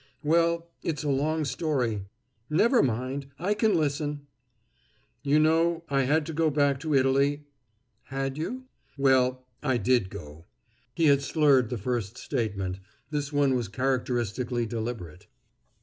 "Well, it's a long story." "Never mind. I can listen." "You know, I had to go back to Italy " "Had you?" "Well, I did go." He had slurred the first statement; this one was characteristically deliberate.